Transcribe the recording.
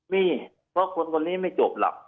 มีเพราะคนคนนี้ไม่จบหรอก